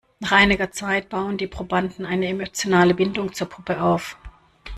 Nach einiger Zeit bauen die Probanden eine emotionale Bindung zur Puppe auf.